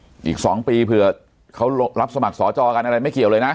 อีก๒ปีเผื่อเขารับสมัครสอจอกันอะไรไม่เกี่ยวเลยนะ